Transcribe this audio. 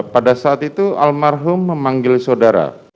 pada saat itu almarhum memanggil saudara